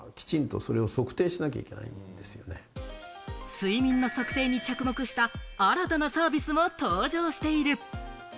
睡眠の測定に着目した新たなサービスも登場している。